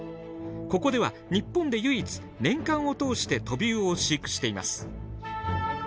ここでは日本で唯一年間を通してトビウオを飼育しています。